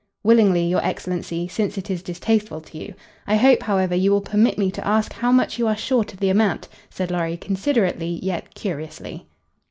"Willingly, your excellency, since it is distasteful to you. I hope, however, you will permit me to ask how much you are short of the amount," said Lorry, considerately yet curiously.